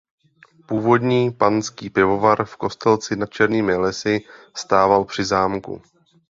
Původní panský pivovar v Kostelci nad Černými lesy stával při zámku.